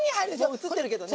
もう映ってるけどね。